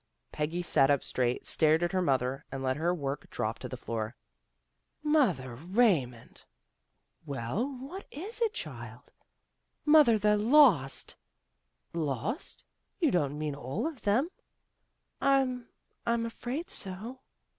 " Peggy sat up straight, stared at her mother, and let her work drop to the floor. " Mother Raymond! "" Well, what is it, child? "" Mother, they're lost." " Lost? You don't mean all of them? " "I'm I'm afraid so."